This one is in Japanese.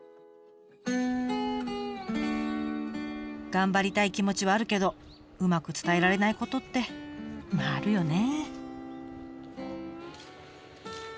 頑張りたい気持ちはあるけどうまく伝えられないことってあるよね。